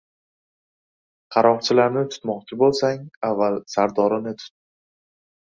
• Qaroqchilarni tutmoqchi bo‘lsang, avval sardorini tut.